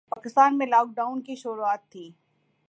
پاکستان میں lockdown کی شروعات تھیں